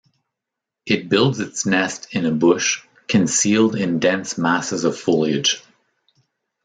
It builds its nest in a bush, concealed in dense masses of foliage.